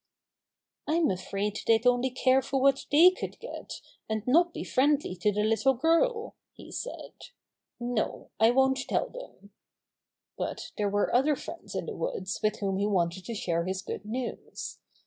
"I'm afraid they'd only care for v^hat they could get, and not be friendly to the little girl," he said. "No, I won't tell them." But there were other friends in the woods with whom he wanted to share his good news.